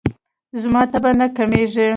زما تبه نه کمیږي.